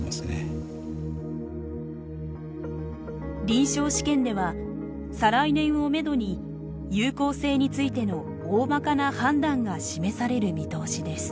臨床試験では再来年をめどに有効性についての大まかな判断が示される見通しです。